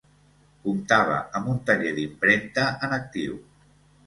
Comptava amb un taller d'impremta en actiu.